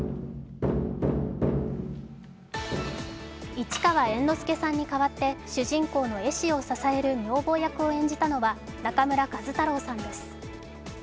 市川猿之助さんに代わって主人公の絵師を支える女房役を演じたのは中村壱太郎さんです。